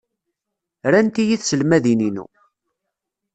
Rant-iyi tselmadin-inu.